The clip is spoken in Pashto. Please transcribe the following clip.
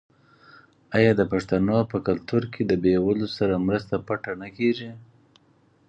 آیا د پښتنو په کلتور کې د بې وزلو سره مرسته پټه نه کیږي؟